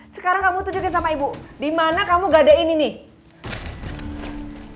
sekarang kamu tunjukin sama ibu dimana kamu gadain ini nih